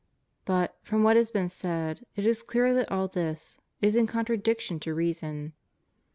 But, from what has been said, it is clear that all this is in con 146 HUMAN LIBERTY. tradiction to reason.